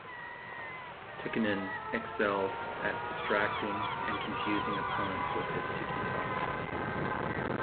Tikkanen excelled at distracting and confusing opponents with his Tiki-Talk.